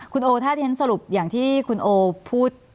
คุณโอถ้าที่ฉันสรุปอย่างที่คุณโอพูด